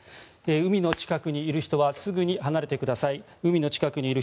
海の近くにいる人はすぐに離れてください。